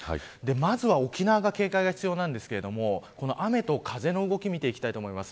まずは、沖縄が警戒が必要ですが雨と風の動きを見ていきたいと思います。